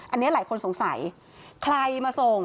อันนี้หลายคนสงสัยใครมาส่ง